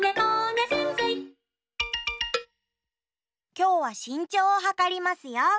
きょうはしんちょうをはかりますよ。